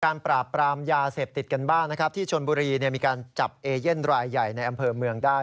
ปราบปรามยาเสพติดกันบ้างนะครับที่ชนบุรีมีการจับเอเย่นรายใหญ่ในอำเภอเมืองได้